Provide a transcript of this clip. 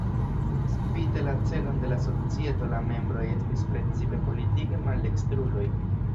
Spite la celon de la societo la membroj estis precipe politike maldekstruloj.